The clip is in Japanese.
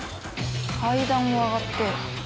階段を上がって。